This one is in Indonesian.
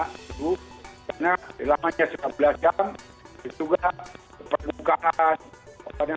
karena lamanya enam belas jam juga perlukaan